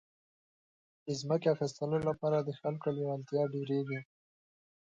د ځمکو د اخیستو لپاره د خلکو لېوالتیا ډېرېږي.